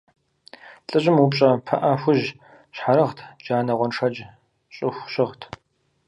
ЛӀыжьым упщӀэ пыӀэ хужь щхьэрыгът, джанэ-гъуэншэдж щӀыху щыгът.